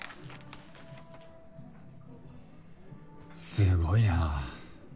すごいなぁ。